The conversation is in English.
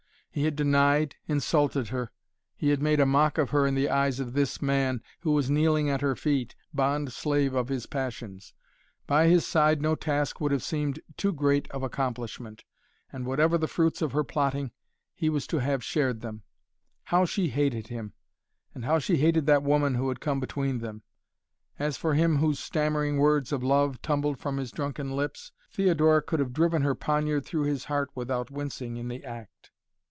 He had denied, insulted her, he had made a mock of her in the eyes of this man, who was kneeling at her feet, bond slave of his passions. By his side no task would have seemed too great of accomplishment. And whatever the fruits of her plotting he was to have shared them. How she hated him; and how she hated that woman who had come between them. As for him whose stammering words of love tumbled from his drunken lips, Theodora could have driven her poniard through his heart without wincing in the act.